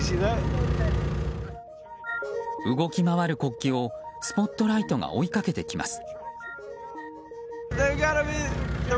動き回る国旗をスポットライトが追いかけてきます。